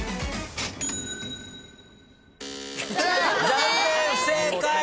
残念不正解！